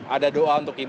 ada doa untuk berharap